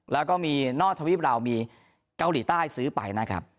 แล้วก็มีนอกทวีปเรามีเกาหลีใต้ซื้อไปนะครับ